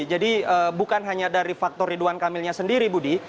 jadi bukan hanya dari faktor ridwan kamilnya sendiri budi